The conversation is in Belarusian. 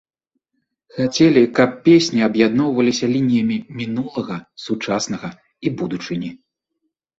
Хацелі, каб песні аб'ядноўваліся лініямі мінулага, сучаснага і будучыні.